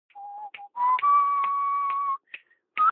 A revolt in Cyrene was crushed the same year.